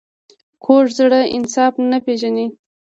کوږ زړه انصاف نه پېژني